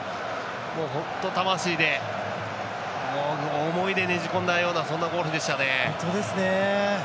本当、魂で思いで、ねじ込んだようなそんなゴールでしたね。